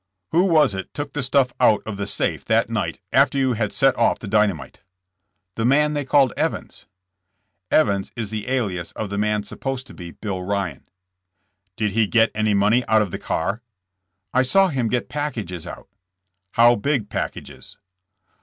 "Who was it took the stuff out of the safe that night after you had set off the dynamite?" '' The man they called Evans. '' C Evans is the alias of the man supposed to be Bill Rvan.) "Did he gjet any money out of the car?" '*I saw him get packages out." "How big packages?"